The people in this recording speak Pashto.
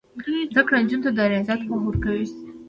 زده کړه نجونو ته د ریاضیاتو پوهه ورکوي.